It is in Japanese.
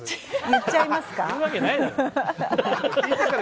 言っちゃいますか？